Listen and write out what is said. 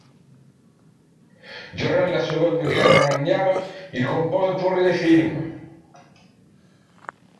Durant la Seconde Guerre mondiale, il compose pour des films.